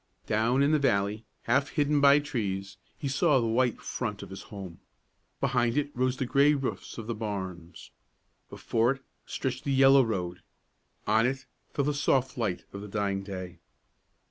Down in the valley, half hidden by trees, he saw the white front of his home. Behind it rose the gray roofs of the barns; before it stretched the yellow road; on it fell the soft light of the dying day.